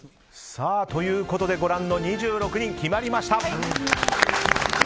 ということでご覧の２６人決まりました！